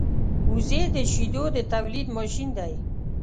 وزې د شیدو د تولېدو ماشین دی